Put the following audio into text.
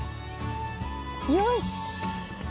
よし！